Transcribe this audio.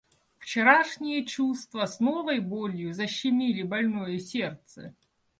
Вчерашние чувства с новой болью защемили больное сердце.